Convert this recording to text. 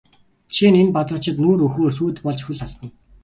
Жишээ нь энэ Бадарчид нүүр өгөхөөр сүйд болж хөл алдана.